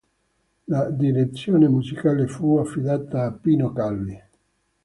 La direzione musicale fu affidata a Pino Calvi.